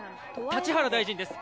立原大臣です！」